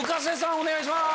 お願いします。